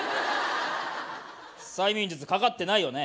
催眠術かかってないよね。